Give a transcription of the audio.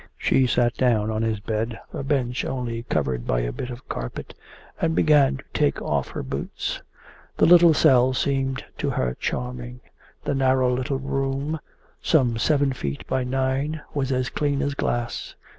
She sat down on his bed a bench only covered by a bit of carpet and began to take off her boots. The little cell seemed to her charming. The narrow little room, some seven feet by nine, was as clean as glass.